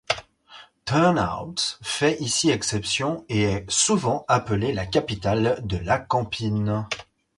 Turnhout fait ici exception et est souvent appelée la capitale de la Campine.